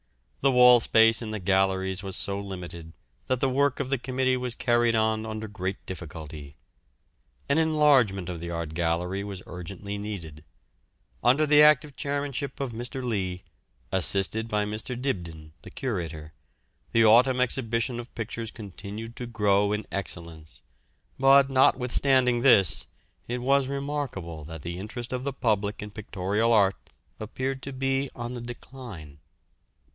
The wall space in the galleries was so limited that the work of the committee was carried on under great difficulty. An enlargement of the Art Gallery was urgently needed. Under the active chairmanship of Mr. Lea, assisted by Mr. Dibdin, the curator, the Autumn Exhibition of pictures continued to grow in excellence; but, notwithstanding this, it was remarkable that the interest of the public in pictorial art appeared to be on the decline.